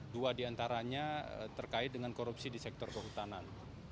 dua diantaranya terkait dengan korupsi di sektor kehutanan